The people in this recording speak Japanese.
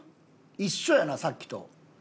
一緒やなさっきと。